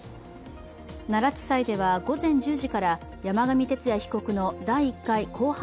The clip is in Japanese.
奈良地裁では午前１０時から、山上徹也被告の第１回公判